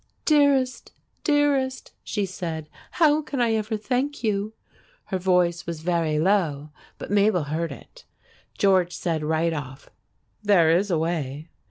"Dearest, dearest!" she said. "How can I ever thank you?" Her voice was very low, but Mabel heard it. George said right off, "There is a way."